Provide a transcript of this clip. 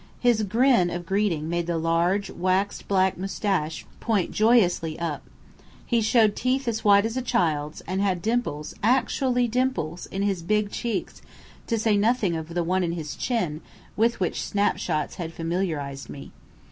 His grin of greeting made the large, waxed black moustache point joyously up. He showed teeth white as a child's, and had dimples actually dimples in his big cheeks, to say nothing of the one in his chin, with which snapshots had familiarized me.